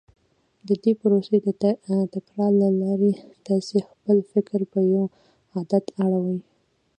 د دې پروسې د تکرار له لارې تاسې خپل فکر پر يوه عادت اړوئ.